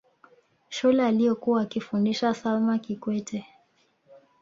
shule aliyokuwa akifundisha salma kikwete